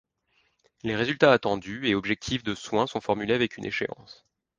Les résultats attendus et objectifs de soins sont formulés avec une échéance.